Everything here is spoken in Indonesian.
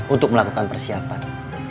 untuk melakukan persiapan